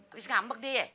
abis ngambek dia